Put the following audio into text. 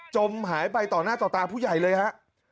จมหายไปต่อหน้าต่อตาผู้ใหญ่เลยฮะ